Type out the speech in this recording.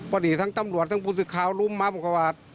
พอดีทั้งตำรวจทั้งผู้สื่อข่าวลุมมาผมก็ว่า